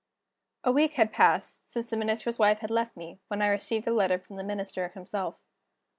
A week had passed, since the Minister's wife had left me, when I received a letter from the Minister himself.